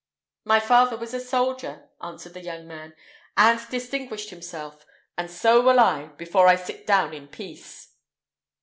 "My father was a soldier," answered the young man, "and distinguished himself; and so will I, before I sit down in peace."